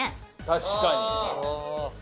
確かに。